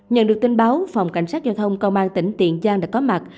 nhận được tin báo phòng cảnh sát giao thông công an tỉnh tiền giang đã có mặt